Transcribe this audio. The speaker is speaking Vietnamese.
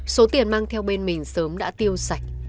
số tiền mang theo bên mình sớm đã tiêu sạch